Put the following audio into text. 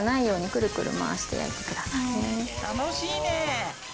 楽しいね。